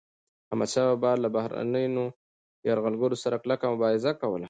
احمدشاه بابا به له بهرنيو یرغلګرو سره کلکه مبارزه کوله.